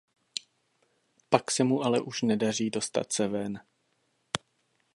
Pak se mu ale už nedaří dostat se ven.